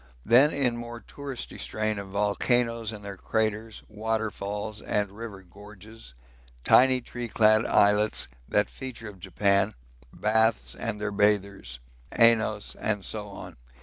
Then in more touristy strain of volcanoes and their craters, waterfalls and river gorges, tiny tree clad islets, that feature of Japan baths and their bathers, Ainos, and so on.